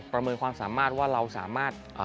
เมินความสามารถว่าเราสามารถ